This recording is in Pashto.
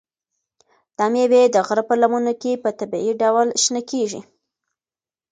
دا مېوې د غره په لمنو کې په طبیعي ډول شنه کیږي.